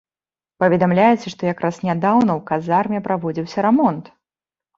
Паведамляецца, што якраз нядаўна ў казарме праводзіўся рамонт.